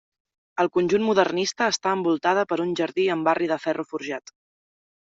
Al conjunt modernista està envoltada per un jardí amb barri de ferro forjat.